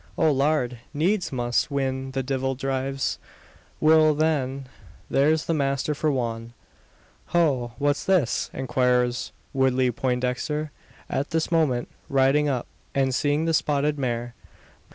"O Lard! Needs must whin the divvel dhrives. Wil, then, thare's the masther for wan " "Ho! what's this?" inquires Woodley Poindexter, at this moment, riding up, and seeing the spotted mare.